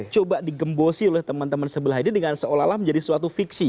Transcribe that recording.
coba digembosi oleh teman teman sebelah ini dengan seolah olah menjadi suatu fiksi